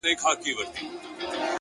چي د زړکي هره تياره مو روښنايي پيدا کړي!